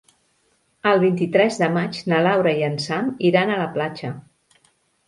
El vint-i-tres de maig na Laura i en Sam iran a la platja.